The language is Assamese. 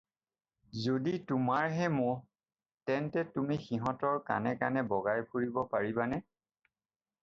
যদি তোমাৰহে ম'হ তেন্তে তুমি সিহঁতৰ কাণে কাণে বগাই ফুৰিব পাৰিবানে?